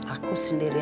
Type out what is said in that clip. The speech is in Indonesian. aku sendirian lagi